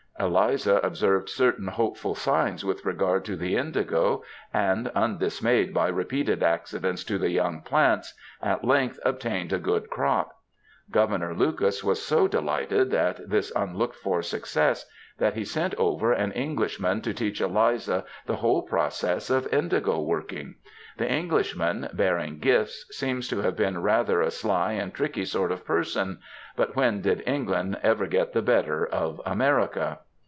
Eliza observed certain hope ful signs with regard to the indigo, and, imdismayed by repeated accidents to the young plants, at length obtained a good crop. Governor Lucas was so delighted at this un looked for success that he sent over an Englishman to teach Eliza the whole process of indigo working. The Englishman, bearing gifts, seems to have been rather a sly and tricky sort of person, but when did England ever get the better of America?